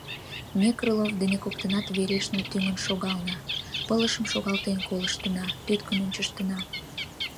Ме Крылов дене коктынат верешна тӱҥын шогална; пылышым шогалтен колыштына, тӱткын ончыштына.